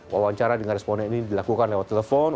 wawancara dengan responden ini dilakukan lewat telepon